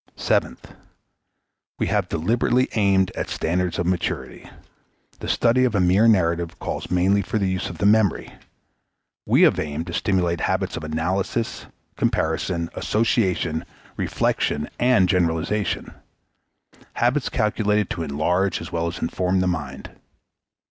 Seventh. We have deliberately aimed at standards of maturity. The study of a mere narrative calls mainly for the use of the memory. We have aimed to stimulate habits of analysis, comparison, association, reflection, and generalization habits calculated to enlarge as well as inform the mind.